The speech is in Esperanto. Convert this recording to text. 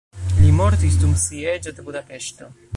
Li mortis dum sieĝo de Budapeŝto.